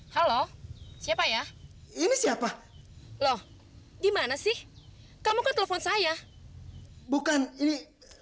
halo siapa ya ini siapa loh gimana sih kamu ke telepon saya bukan ini